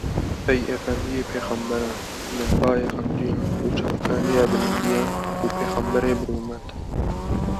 Ey efendiyê pêxemberan, menbaya qenciyan û çavkaniya bilindiyan û pêxemberê bi rûmet!